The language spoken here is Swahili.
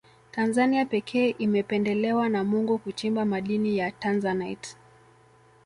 tanzania pekee imependelewa na mungu kuchimba madini ya tanzanite